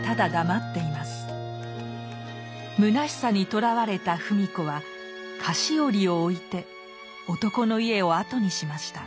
むなしさにとらわれた芙美子は菓子折を置いて男の家を後にしました。